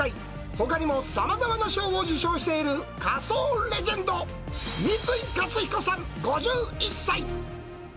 ほかにもさまざまな賞を受賞している仮装レジェンド、三井勝彦さん５１歳。